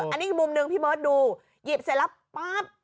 อันนี้อีกมุมหนึ่งพี่เบิร์ตดูหยิบเสร็จแล้วปั๊บ